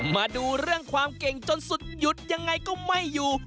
มาดูเรื่องความเก่งจนสุดหยุดยังไงก็ไม่อยู่